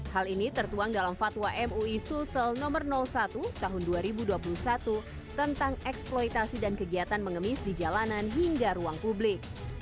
hal ini tertuang dalam fatwa mui sulsel no satu tahun dua ribu dua puluh satu tentang eksploitasi dan kegiatan mengemis di jalanan hingga ruang publik